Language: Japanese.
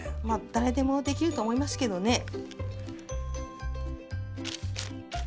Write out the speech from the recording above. まあ誰でもできると思いますけどね。